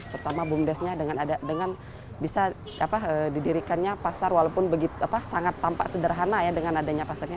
pertama bumdes nya dengan bisa didirikannya pasar walaupun sangat tampak sederhana dengan adanya pasarnya